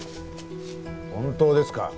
本当ですか？